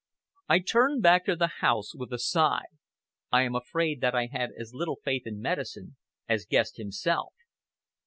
I turned back to the house with a sigh. I am afraid that I had as little faith in medicine as Guest himself.